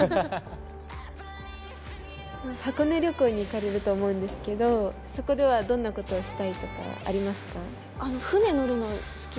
箱根旅行に行かれると思うんですけどそこではどんな事をしたいとかありますか？